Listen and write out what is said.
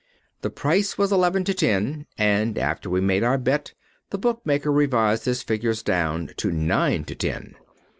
The price was eleven to ten, and after we made our bet the bookmaker revised his figures down to nine to ten.